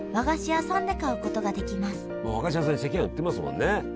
和菓子屋さんに赤飯売ってますもんね。